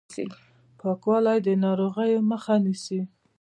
پاکوالی د ناروغیو مخه نیسي.